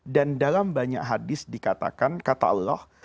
dan dalam banyak hadis dikatakan kata allah